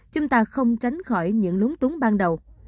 chúng ta không tránh khỏi những lúng túng ban đầu